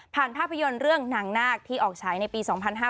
ผ่านภาพยนตร์เรื่องหนังนาคที่ออกใช้ในปี๒๕๔๒